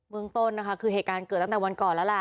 เมืองต้นนะคะคือเหตุการณ์เกิดตั้งแต่วันก่อนแล้วล่ะ